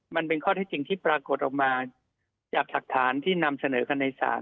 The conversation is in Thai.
มันเป็นข้อเท็จจริงที่ปรากฏออกมาจากหลักฐานที่นำเสนอกันในศาล